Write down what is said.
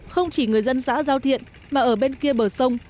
không chỉ người dân xã giao thiện mà ở bên kia bờ sông